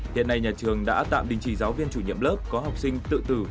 hiện nay nhà trường đã tạm đình chỉ giáo viên chủ nhiệm lớp có học sinh tự tử